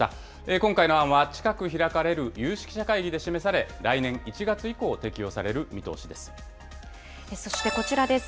今回の案は、近く開かれる有識者会議で示され、来年１月以降、適そしてこちらです。